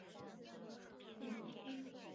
建在日内瓦湖流入罗讷河之处。